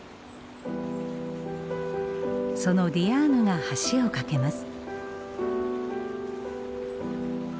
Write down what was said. そのディアーヌが橋を架けます。